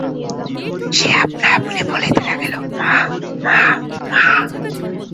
সে আপনা-আপনি বলিতে লাগিল–মা, মা, মা!